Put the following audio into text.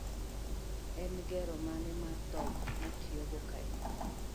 En ngero mane mar dhok mitiyogo kae?